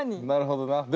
なるほどな。